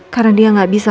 karena dia gak bisa